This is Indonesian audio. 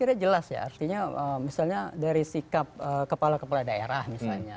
saya kira jelas ya artinya misalnya dari sikap kepala kepala daerah misalnya